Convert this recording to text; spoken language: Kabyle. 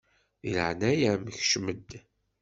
Di leɛnaya-m kcem-d!